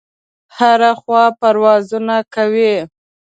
هره خوا پروازونه کوي.